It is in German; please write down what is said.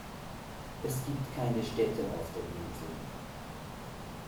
Es gibt keine Städte auf den Inseln.